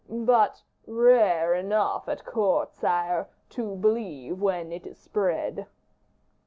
"But rare enough, at court, sire, to believe when it is spread."